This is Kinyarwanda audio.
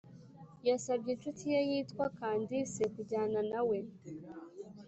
yasabye inshuti ye yitwa Candice kujyana nawe